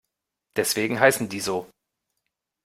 Deswegen heißen die so.